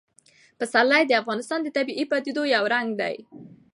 پسرلی د افغانستان د طبیعي پدیدو یو رنګ دی.